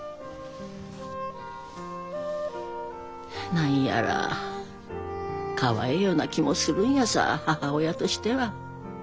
何やらかわえよな気もするんやさ母親としては。